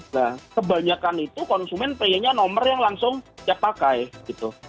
nah kebanyakan itu konsumen pengennya nomor yang langsung siap pakai gitu